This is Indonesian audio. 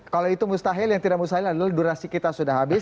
kalau itu mustahil yang tidak mustahil adalah durasi kita sudah habis